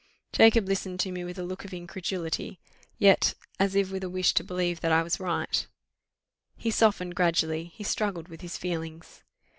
Jacob listened to me with a look of incredulity, yet as if with a wish to believe that I was right: he softened gradually he struggled with his feelings.